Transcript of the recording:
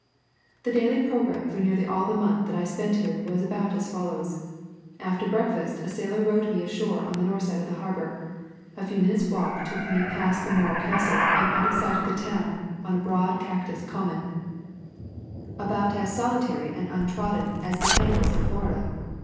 The daily programme for nearly all the month that I spent here was about as follows: After breakfast a sailor rowed me ashore on the north side of the harbor. A few minutes' walk took me past the Morro Castle and out of sight of the town on a broad cactus common, about as solitary and untrodden as the tangles of [ 151 ] A Thousand Mile Walb Florida.